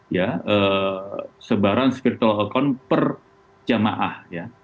ya sebarang virtual account per jemaah ya